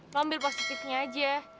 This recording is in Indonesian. lo ambil positifnya aja